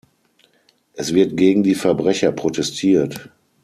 Es wird gegen die Verbrecher protestiert.